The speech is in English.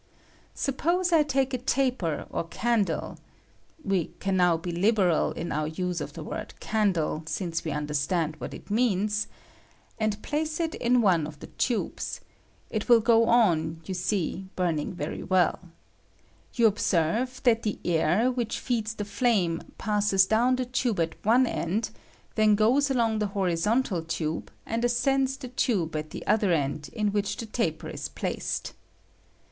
Suppose I take a taper or candle (we can now be liberal in our use of the word "candle," since we understand what it means), 168 COMBCSTION ASD BESPIRATION, and place it in one of the tubes ; it will go on, you see, burning very well. You observe that IN. ^^■ on, that g I the tiir which feeds the flame passes down the tube ELt one end, then goes along the horizontal tube, and ascends the tube at the other end in which the taper is placed.